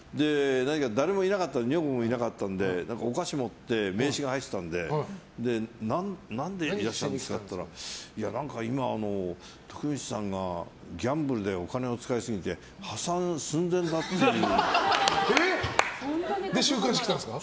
誰もいなかった女房もいなかったのでお菓子が入ってて名刺が入ってたんで何でいらっしゃったんですかって言ったら何か今、徳光さんがギャンブルでお金を使いすぎてそれで週刊誌来たんですか？